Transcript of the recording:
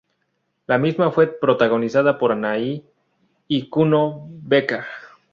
La misma fue protagonizada por Anahí y Kuno Becker.